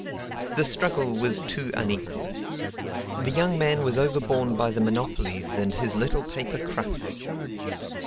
The struggle was too unequal. The young man was overborne by the monopolies and his little paper crushed.